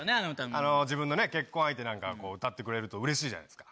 あの、自分の結婚相手なんかが歌ってくれるとうれしいじゃないですか。